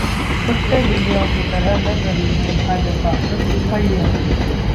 कुत्ते-बिल्लियों की तरह लड़ रही है भाजपा: अय्यर